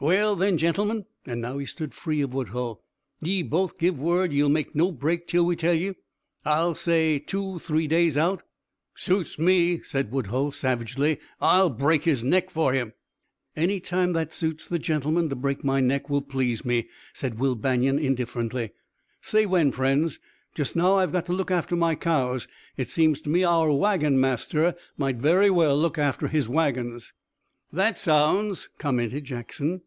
"Well then, gentle_men_" and now he stood free of Woodhull "ye both give word ye'll make no break till we tell ye? I'll say, two three days out?" "Suits me," said Woodhull savagely. "I'll break his neck for him." "Any time that suits the gentleman to break my neck will please me," said Will Banion indifferently. "Say when, friends. Just now I've got to look after my cows. It seems to me our wagon master might very well look after his wagons." "That sounds!" commented Jackson.